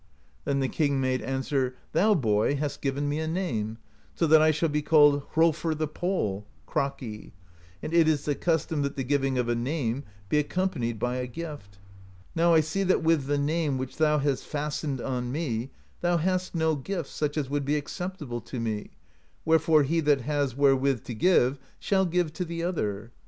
Then the king made answer: 'Thou, boy, hast given me a name, so that I shall be called Hrolfr the Pole (Kraki); and it is the custom that the giving of a name be accompanied by a gift. Now I see that with the name which thou has fastened on me, thou hast no gift such as would be acceptable to me, wherefore he that has wherewith to give shall give to the other.'